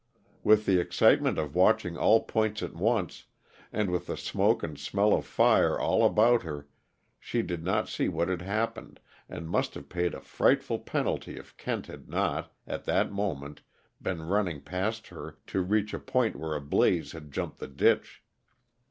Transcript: With the excitement of watching all points at once, and with the smoke and smell of fire all about her, she did not see what had happened, and must have paid a frightful penalty if Kent had not, at that moment, been running past her to reach a point where a blaze had jumped the ditch.